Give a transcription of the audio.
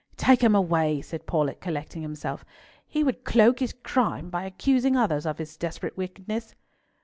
"Take him away," said Paulett, collecting himself; "he would cloak his crime by accusing others of his desperate wickedness."